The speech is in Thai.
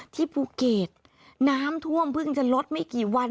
ที่ภูเก็ตน้ำท่วมเพิ่งจะลดไม่กี่วัน